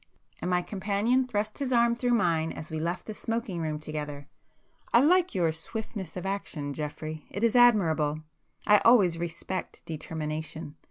—and my companion thrust his arm through mine as we left the smoking room together—"I like your swiftness of action Geoffrey. It is admirable! I always respect determination.